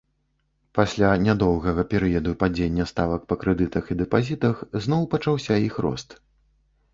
Пасля нядоўгага перыяду падзення ставак па крэдытах і дэпазітах зноў пачаўся іх рост.